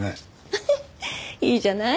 フフッいいじゃない。